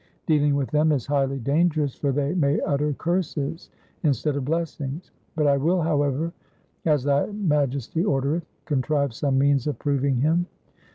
Dealing with them is highly dangerous for they may utter curses instead of blessings, but I will, however, as thy Majesty ordereth, contrive some means of proving him.'